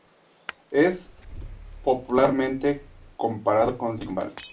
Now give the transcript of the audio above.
Es popularmente comparado con Silicon Valley.